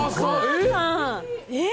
えっ？